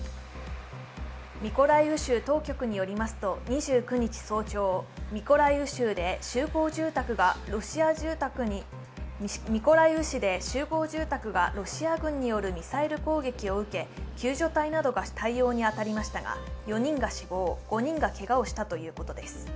ミコライウ州当局によりますと、２９日早朝、ミコライウ市で集合住宅がロシア軍によるミサイル攻撃を受け、救助隊などが対応に当たりましたが４人が死亡、５人がけがをしたということです。